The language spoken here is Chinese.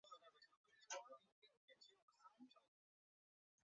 你也不要让姐姐求那么久